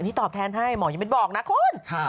นี่ตอบแทนให้หมอยังไม่บอกนะคุณ